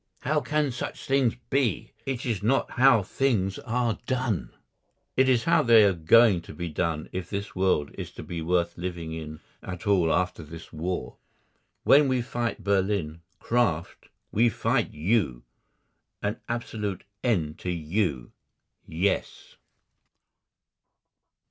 How can such things be? It is not how things are done." It is how they are going to be done if this world is to be worth living in at all after this war. When we fight Berlin, Kraft, we fight you.... An absolute end to you. Yes.